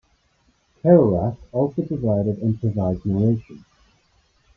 Kerouac also provided improvised narration.